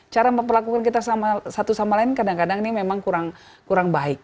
cara memperlakukan kita satu sama lain kadang kadang ini memang kurang baik